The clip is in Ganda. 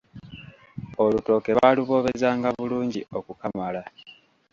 Olutooke baaluboobezanga bulungi okukamala.